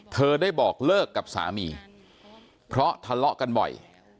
เธอได้บอกเลิกกับสามีเพราะทะเลาะกันบ่อย